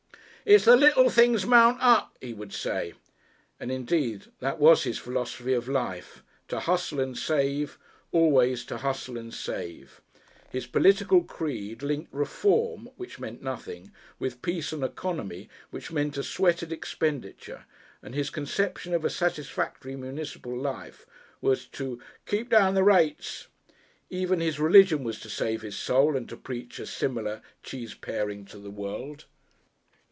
"It's the little things mount up," he would say; and, indeed, that was his philosophy of life to bustle and save, always to bustle and save. His political creed linked Reform, which meant nothing, with Efficiency which meant a sweated service, and Economy which meant a sweated expenditure, and his conception of a satisfactory municipal life was to "keep down the rates." Even his religion was to save his soul, and to preach a similar cheese paring to the world.